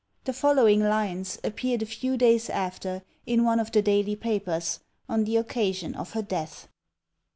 The following lines appeared a few days after in one of the daily papers, on the occasion of her death.